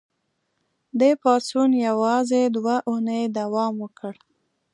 دې پاڅون یوازې دوه اونۍ دوام وکړ.